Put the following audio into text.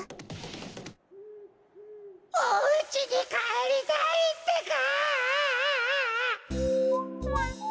おうちにかえりたいってか！